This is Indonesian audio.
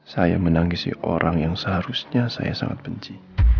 saya menangisi orang yang seharusnya saya sangat benci